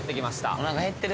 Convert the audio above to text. おなか減ってる